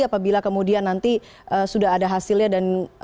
apabila kemudian nanti sudah ada hasilnya dan